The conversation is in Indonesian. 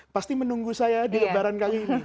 pasti menunggu saya di lebaran kota